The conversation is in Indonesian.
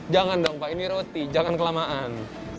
jangan dong pak ini roti jangan kelamaan